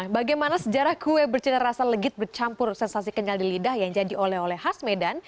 bagaimana sejarah kue bercita rasa legit bercampur sensasi kenyal di lidah yang jadi oleh oleh khas medan